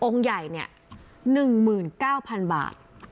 องค์ใหญ่เนี่ย๑๙๐๐๐บาท